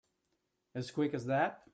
As quick as that?